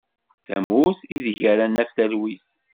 Tamurt i deg ara naf talwit.